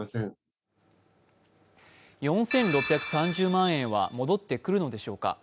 ４６３０万円は戻ってくるのでしょうか。